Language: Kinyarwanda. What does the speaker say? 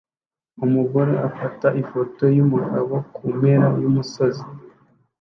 Umugore afata ifoto yumugabo kumpera yumusozi